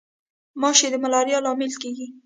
ماشي د ملاریا لامل کیږي